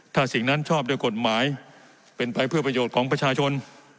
ถ้าสิ่งนั้นชอบด้วยกฎหมายเป็นไปเพื่อประโยชน์ของประชาชน